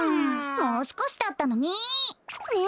もうすこしだったのにね。